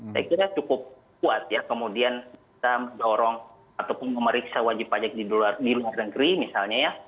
saya kira cukup kuat ya kemudian kita mendorong ataupun memeriksa wajib pajak di luar negeri misalnya ya